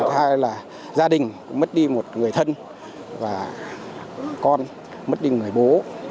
hai là gia đình mất đi một người thân và con mất đi một người bố